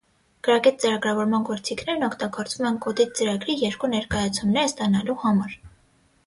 Գրագետ ծրագրավորման գործիքներն օգտագործվում են կոդից ծրագրի երկու ներկայացումները ստանալու համար։